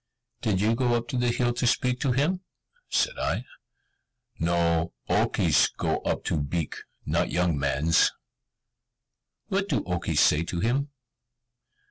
"Did you go up the hill to speak to him?" said I. "No, Okes go up to Beek, not young mans." "What do Okes say to him?"